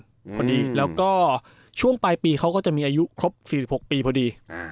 พอดีแล้วก็ช่วงปลายปีเขาก็จะมีอายุครบ๔๖ปีพอดี